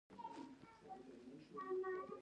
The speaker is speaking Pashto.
اقلیم د افغانستان د ځایي اقتصادونو بنسټ دی.